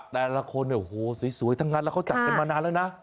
แต่ละคนเนี่ยโอ้โหสวยทั้งนั้นแล้วเขาจัดกันมานานแล้วนะ